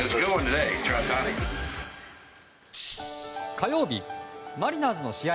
火曜日マリナーズの試合